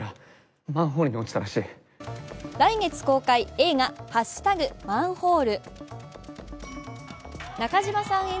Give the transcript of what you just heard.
来月公開、映画「＃マンホール」。